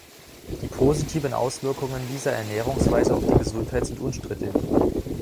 Die positiven Auswirkungen dieser Ernährungsweise auf die Gesundheit sind unstrittig.